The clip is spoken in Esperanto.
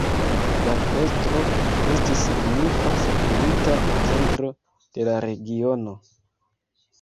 La klostro estis signifa spirita centro de la regiono.